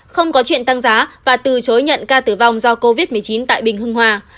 không có chuyện tăng giá và từ chối nhận ca tử vong do covid một mươi chín tại bình hưng hòa